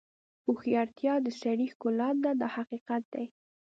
هوښیارتیا د سړي ښکلا ده دا حقیقت دی.